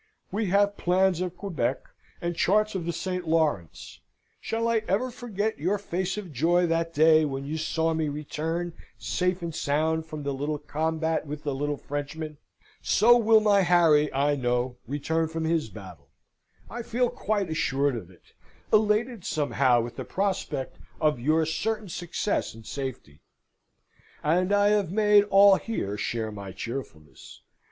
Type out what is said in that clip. We have plans of Quebec, and charts of the St. Lawrence. Shall I ever forget your face of joy that day when you saw me return safe and sound from the little combat with the little Frenchman? So will my Harry, I know, return from his battle. I feel quite assured of it; elated somehow with the prospect of your certain success and safety. And I have made all here share my cheerfulness.